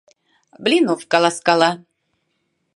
Блинов каласкала: